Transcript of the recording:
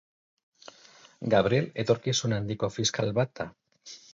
Gabriel etorkizun handiko fiskal bat da.